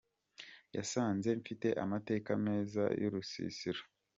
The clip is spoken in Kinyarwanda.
Yasanze mfite amateka meza mu rusisiro.